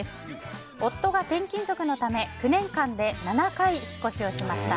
夫が転勤族のため９年間で７回引っ越しをしました。